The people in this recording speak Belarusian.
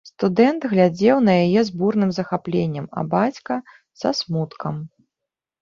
Студэнт глядзеў на яе з бурным захапленнем, а бацька са смуткам.